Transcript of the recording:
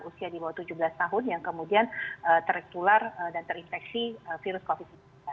usia di bawah tujuh belas tahun yang kemudian tertular dan terinfeksi virus covid sembilan belas